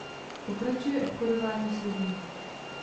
Pokračuje obchodování s lidmi.